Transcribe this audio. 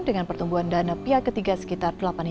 dengan pertumbuhan dana pihak ketiga sekitar